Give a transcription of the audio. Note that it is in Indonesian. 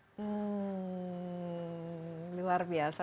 hmm luar biasa